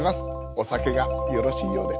お酒がよろしいようで。